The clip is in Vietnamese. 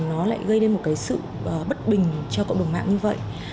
nó lại gây nên một cái sự bất bình cho cộng đồng mạng như vậy